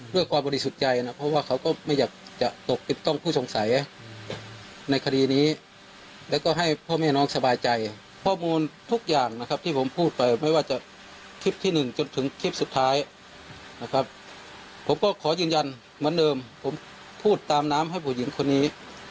ด้วยความบริสุทธิ์ใจนะเพราะว่าเขาก็ไม่อยากจะปกปิดต้องผู้สงสัยในคดีนี้แล้วก็ให้พ่อแม่น้องสบายใจข้อมูลทุกอย่างนะครับที่ผมพูดไปไม่ว่าจะคลิปที่หนึ่งจนถึงคลิปสุดท้ายนะครับผมก็ขอยืนยันเหมือนเดิมผมพูดตามน้ำให้ผู้หญิงคนนี้